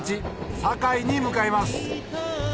堺に向かいます